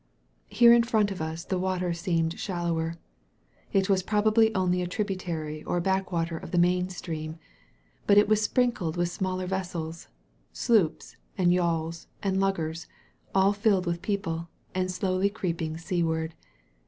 Here in front of us the water seemed shaQower. It was probably only a tributary or backwater of the main stream. But it was sprinkled with smaller vessels — sloops, and yawls, and luggers — ^aQ filled with people and slowly creeping seaward.